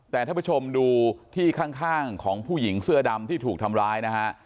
แต่ท่านผู้ชมดูที่ข้างของผู้หญิงเสื้อดำที่ถูกทำร้ายนะฮะ